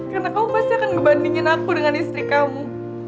karena kamu pasti akan ngebandingin aku dengan istri kamu